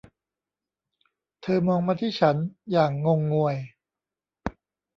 เธอมองมาที่ฉัน อย่างงงงวย